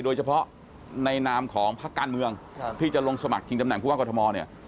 โดยเฉพาะในนามของภาคการเมืองครับพี่จะลงสมัครถึงจำแหน่มคุณภาคกรทมเนี้ย